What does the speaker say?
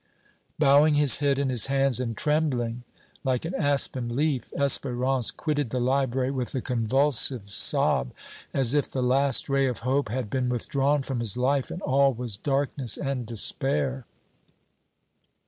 Bowing his head in his hands and trembling like an aspen leaf, Espérance quitted the library with a convulsive sob, as if the last ray of hope had been withdrawn from his life and all was darkness and despair.